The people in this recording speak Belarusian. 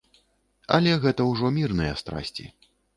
Але гэта ўжо мірныя страсці.